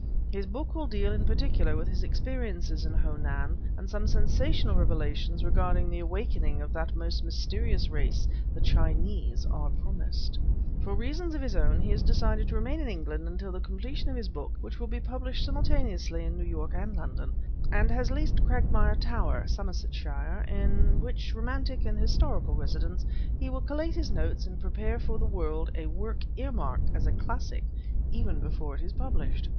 His book will deal in particular with his experiences in Ho Nan, and some sensational revelations regarding the awakening of that most mysterious race, the Chinese, are promised. For reasons of his own he has decided to remain in England until the completion of his book (which will be published simultaneously in New York and London) and has leased Cragmire Tower, Somersetshire, in which romantic and historical residence he will collate his notes and prepare for the world a work ear marked as a classic even before it is published.